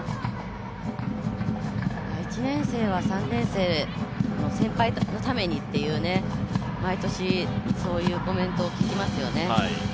１年生は３年生の先輩のためにという、毎年、そういうコメントを聞きますよね。